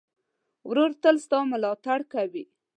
ورور تل ستا ملاتړ کوي.